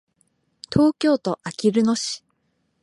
東京都あきる野市